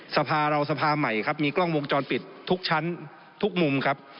สภาเราสภาใหม่ครับมีกล้องวงจรปิดทุกชั้นทุกมุมครับ